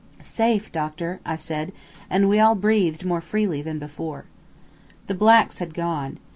"Safe, doctor!" I said, and we all breathed more freely than before. The blacks had gone.